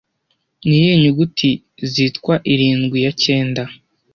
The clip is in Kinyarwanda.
niyihe nyuguti zitwa Irindwi ya cyenda